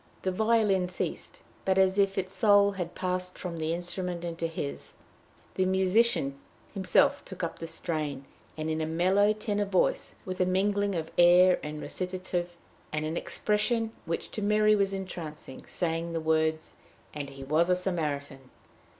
The violin ceased, but, as if its soul had passed from the instrument into his, the musician himself took up the strain, and in a mellow tenor voice, with a mingling of air and recitative, and an expression which to Mary was entrancing, sang the words, "And he was a Samaritan."